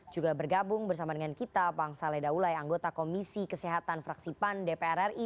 juga bergabung bersama dengan kita bang saleh daulai anggota komisi kesehatan fraksi pan dpr ri